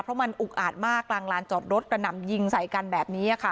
เพราะมันอุกอาดมากกลางลานจอดรถกระหน่ำยิงใส่กันแบบนี้ค่ะ